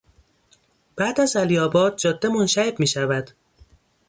بعد از علیآباد جاده منشعب میشود.